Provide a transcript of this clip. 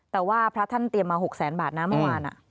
แต่ว่าพระท่านเตรียมมา๖แสนบาทนะเมื่อวาน